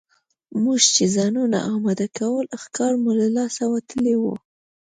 موږ چې ځانونه اماده کول ښکار مو له لاسه وتلی وو.